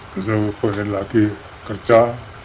kecil lagi kerja